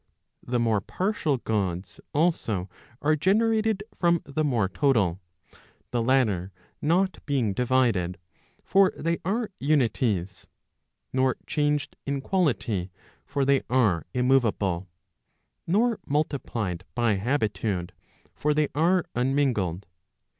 The more partial Gods also are generated from the more total; the latter not being divided, for they are unities; nor changed in quality, for they are immoveable; nor multiplied by habitude, for they are unmingled.